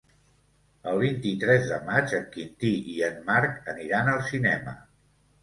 El vint-i-tres de maig en Quintí i en Marc aniran al cinema.